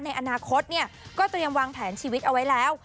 ในอนาคตเนี่ยก็เตรียมวางแผนชีวิตเอาไว้แล้ว